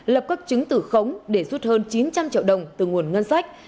lập các chứng tử khống để rút hơn chín trăm linh triệu đồng từ nguồn ngân sách